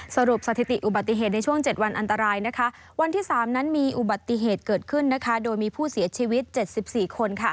สถิติอุบัติเหตุในช่วง๗วันอันตรายวันที่๓นั้นมีอุบัติเหตุเกิดขึ้นโดยมีผู้เสียชีวิต๗๔คน